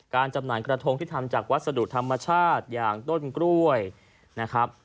จำหน่ายกระทงที่ทำจากวัสดุธรรมชาติอย่างต้นกล้วยนะครับ